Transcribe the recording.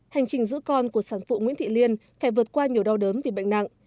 hành trình giữ con của sản phụ nguyễn thị liên phải vượt qua nhiều đau đớn vì bệnh nặng